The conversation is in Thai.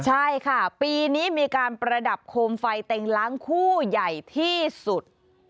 ใช่ค่ะปีนี้มีการประดับโคมไฟเต็งล้างคู่ใหญ่ที่สุด